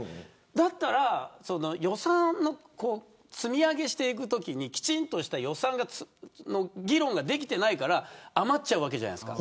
だったら予算の積み上げをしていくときにきちんとした予算の議論ができていないから余ってしまうわけじゃないですか。